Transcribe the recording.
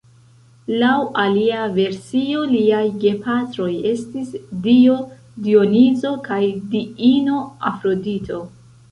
Laŭ alia versio liaj gepatroj estis dio Dionizo kaj diino Afrodito.